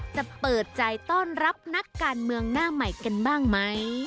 จะเปิดใจต้อนรับนักการเมืองหน้าใหม่กันบ้างไหม